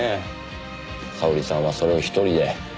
沙織さんはそれを１人で。